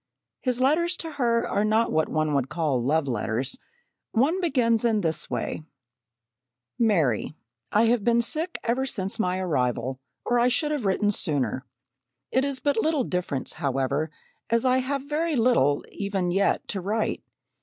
His letters to her are not what one would call "love letters." One begins in this way: "MARY: I have been sick ever since my arrival, or I should have written sooner. It is but little difference, however, as I have very little even yet to write.